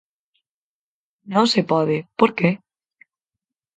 Non se pode ¿por que?